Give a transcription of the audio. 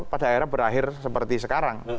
pada akhirnya berakhir seperti sekarang